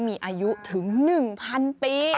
มีอายุถึง๑๐๐๐ปี